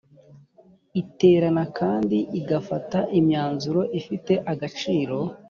iterana kandi igafata imyanzuro ifite agaciro